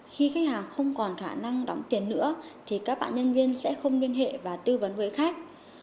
khi khách hàng không còn khả năng đóng tiền nữa thì các bạn nhân viên sẽ không liên hệ và tư vấn với khách